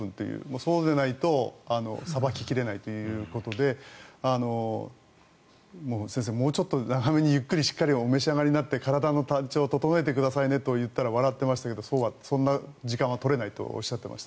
そうでないとさばき切れないということで先生、もうちょっと長めにしっかりゆっくりお召し上がりになって体の体調を整えてくださいねと言ったら笑っていましたけどそんな時間は取れないとおっしゃっていました。